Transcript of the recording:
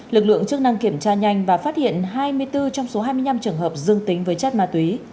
lực lượng chức năng kiểm tra nhanh và phát hiện hai mươi bốn trong số hai mươi năm trường hợp dương tính với chất ma túy